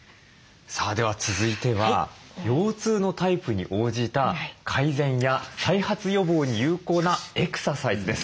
さあでは続いては腰痛のタイプに応じた改善や再発予防に有効なエクササイズです。